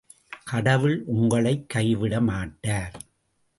கடவுள் உங்களைக் கைவிடமாட்டார்!